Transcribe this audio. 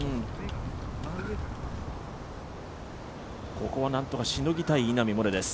ここを何とかしのぎたい稲見萌寧です。